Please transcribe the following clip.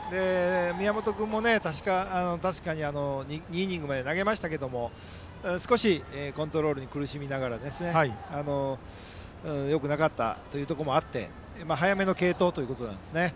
宮本君も確かに２イニングまで投げましたが少しコントロールに苦しみながらよくなかったこともあって早めの継投ですね。